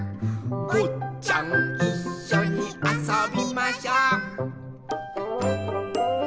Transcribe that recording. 「ぼっちゃんいっしょにあそびましょう」